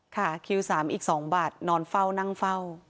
ค่ะคิวสามอีกสองบัตรนอนเฝ้านั่งเฝ้า